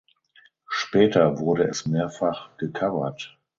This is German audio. Später wurde es mehrfach gecovert.